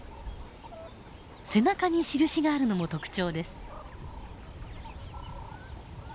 背中に印があるのも特徴です。